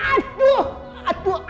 ada apa sih